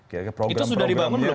itu sudah dibangun belum